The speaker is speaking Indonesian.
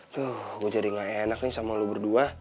tuh gua jadi gak enak nih sama lu berdua